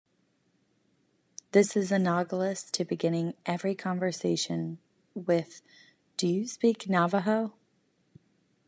This is analogous to beginning every conversation with Do you speak Navajo?